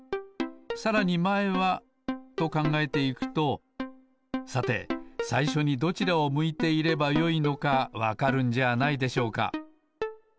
さらにまえはとかんがえていくとさてさいしょにどちらを向いていればよいのかわかるんじゃないでしょうか。